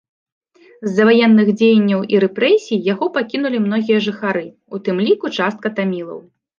З-за ваенных дзеянняў і рэпрэсій яго пакінулі многія жыхары, у тым ліку частка тамілаў.